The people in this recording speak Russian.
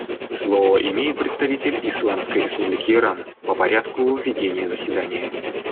Слово имеет представитель Исламской Республики Иран по порядку ведения заседания.